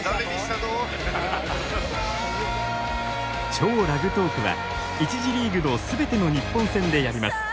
超ラグトークは、１次リーグのすべての日本戦でやります。